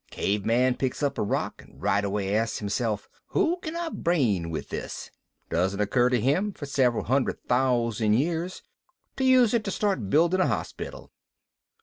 Cave man picks up a rock and right away asks himself, 'Who can I brain with this?' Doesn't occur to him for several hundred thousand years to use it to start building a hospital."